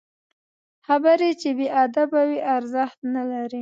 خبرې چې بې ادبه وي، ارزښت نلري